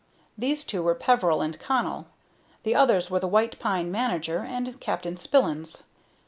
These two were Peveril and Connell. The others were the White Pine manager and Captain Spillins.